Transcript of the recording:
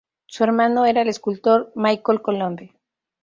Su hermano era el escultor Michel Colombe.